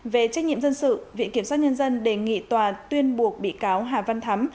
về trách nhiệm dân sự viện kiểm soát nhân dân đề nghị tòa tuyên buộc bị cáo hà văn thắm